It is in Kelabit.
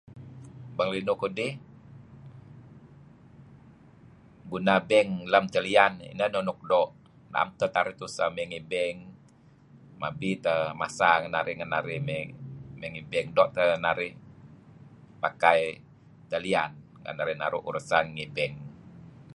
Bang linuh kudih, guna beng lem talian ineh neh neh nuk doo'. Na'em teh narih tuseh mey ngih beng. Mabi teh masa nga' narih mey ngih beng. Doo' teh narih pakai talian nga' narih naru' urusan ngih beng.